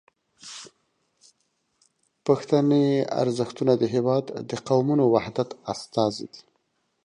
پښتني ارزښتونه د هیواد د قومونو وحدت استازي دي.